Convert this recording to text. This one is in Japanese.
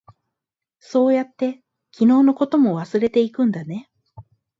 そうやって、昨日のことも忘れていくんだね。